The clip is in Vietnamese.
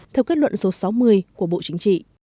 theo kết luận số sáu mươi của bộ chính trị